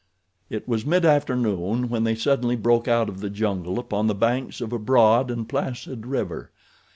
It was mid afternoon when they suddenly broke out of the jungle upon the banks of a broad and placid river.